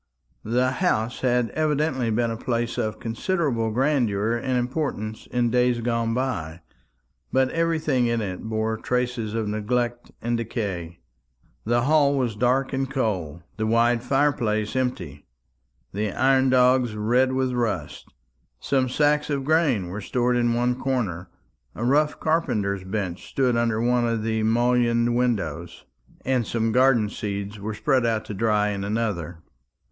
The house had evidently been a place of considerable grandeur and importance in days gone by; but everything in it bore traces of neglect and decay. The hall was dark and cold, the wide fire place empty, the iron dogs red with rust. Some sacks of grain were stored in one corner, a rough carpenter's bench stood under one of the mullioned windows, and some garden seeds were spread out to dry in another.